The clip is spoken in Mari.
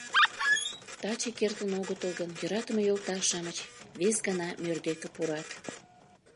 Таче кертын огытыл гын, йӧратыме йолташ-шамыч вес гана мӧр деке пурат.